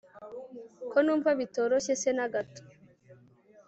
ko numva bitoroshye se nagato